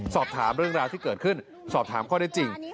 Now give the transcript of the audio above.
สอบถามเรื่องราวที่เกิดขึ้นสอบถามข้อได้จริง